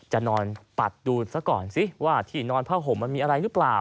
จะนอนปัดดูซะก่อนสิว่าที่นอนผ้าห่มมันมีอะไรหรือเปล่า